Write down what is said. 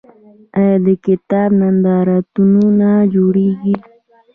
آیا د کتاب نندارتونونه جوړیږي؟